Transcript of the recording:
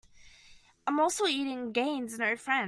A morsel eaten gains no friend.